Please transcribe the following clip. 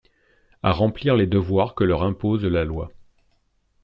À remplir les devoirs que leur impose la Loi.